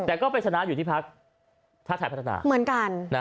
แต่ก็ไปชนะอยู่ที่พักชาติไทยพัฒนาเหมือนกัน